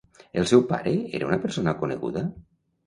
El seu pare era una persona coneguda?